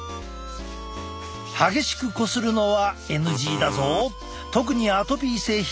激しくこするのはＮＧだぞ！